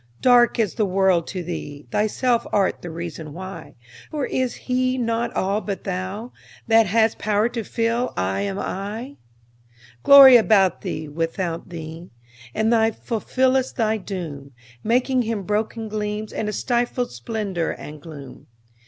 Dark is the world to thee: thyself art the reason why; For is He not all but thou, that hast power to feel 'I am I'?Glory about thee, without thee; and thou fulfillest thy doom, Making Him broken gleams, and a stifled splendour and gloom.